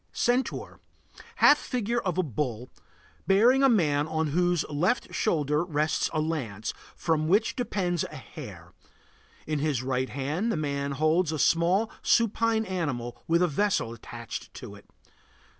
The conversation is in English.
CENTAUR. Half figure of a bull, bearing a man on whose left shoulder rests a lance, from which depends a hare. In his right hand the man holds a small, supine animal with a vessel attached to it.